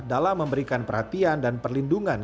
dalam memberikan perhatian dan perlindungan